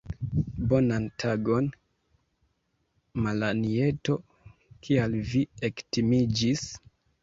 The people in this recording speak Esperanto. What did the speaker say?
Bonan tagon, Malanjeto, kial vi ektimiĝis?